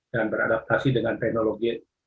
dan beradaptasi dengan teknologi